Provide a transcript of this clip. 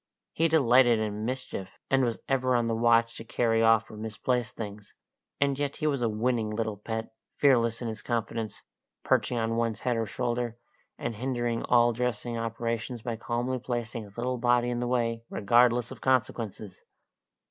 He delighted in mischief, and was ever on the watch to carry off or misplace things; and yet he was a winning little pet, fearless in his confidence, perching on one's head or shoulder, and hindering all dressing operations by calmly placing his little body in the way, regardless of consequences.